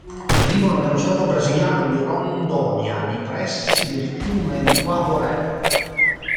Vivono nello Stato brasiliano di Rondônia, nei pressi del fiume Guaporé.